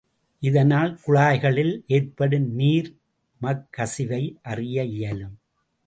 இதனால் குழாய்களில் ஏற்படும் நீர்மக்கசிவை அறிய இயலும்.